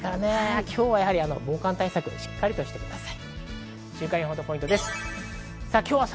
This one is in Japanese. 今日は防寒対策しっかりしてください。